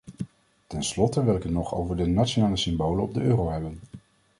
Ten slotte wil ik het nog over de nationale symbolen op de euro hebben.